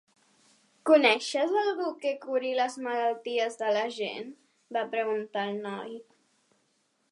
"Coneixes algú que curi les malalties de la gent?" va preguntar el noi.